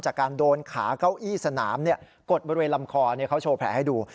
จากการโดนขาเก้าอี้สนามกดบริเวณลำคอเขาโชว์แผลให้ดู